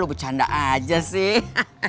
lu bercanda aja sih